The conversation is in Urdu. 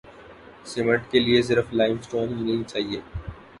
سیمنٹ کیلئے صرف لائم سٹون ہی نہیں چاہیے۔